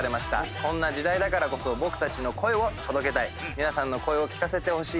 こんな時代だからこそ僕たちの声を届けたい皆さんの声を聞かせてほしい。